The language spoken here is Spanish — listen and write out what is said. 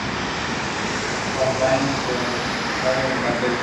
Compagnie Internationale de Banque.